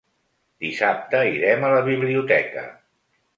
Dissabte irem a la biblioteca.